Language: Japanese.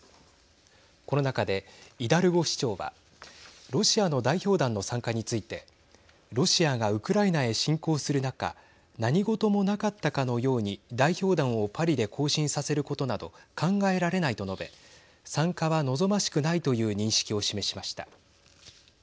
この中でイダルゴ市長はロシアの代表団の参加についてロシアがウクライナへ侵攻する中何事もなかったかのように代表団をパリで行進させることなど考えられないと述べ参加は望ましくないという認識を示しました。